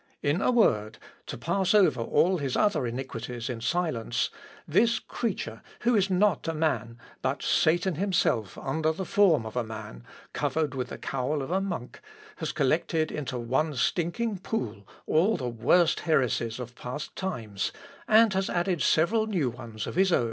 In a word, to pass over all his other iniquities in silence, this creature, who is not a man, but Satan himself under the form of a man, covered with the cowl of a monk, has collected into one stinking pool all the worst heresies of past times, and has added several new ones of his own....